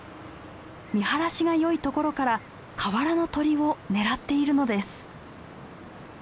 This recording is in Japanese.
見晴らしがよいところから河原の鳥を狙っているのです。